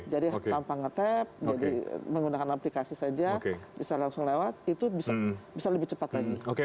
jadi tanpa ngetap menggunakan aplikasi saja bisa langsung lewat itu bisa lebih cepat lagi